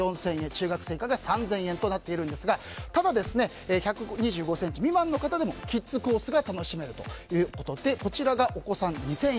中学生以下が３０００円となっていますがただ、１２５ｃｍ未満の方でもキッズコースが楽しめるということでこちらはお子さん、２０００円。